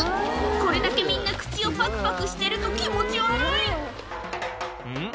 これだけみんな口をパクパクしてると気持ち悪いうん？